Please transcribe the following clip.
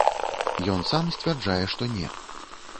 Ён сам сцвярджае, што не.